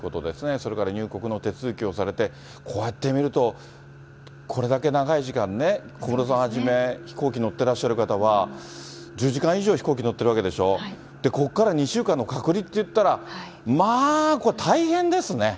それから入国の手続きをされて、こうやって見ると、これだけ長い時間ね、小室さんはじめ、飛行機乗ってらっしゃる方は、１０時間以上飛行機乗ってるわけでしょ、ここから２週間の隔離っていったら、まあこれ、大変ですね。